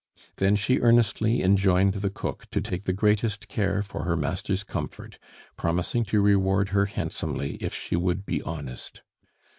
Then she earnestly enjoined the cook to take the greatest care for her master's comfort, promising to reward her handsomely if she would be honest.